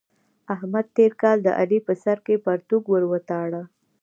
احمد تېر کال د علي په سر کې پرتوګ ور وتاړه.